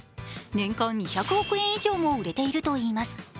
年間２００億円以上も売れているといいます。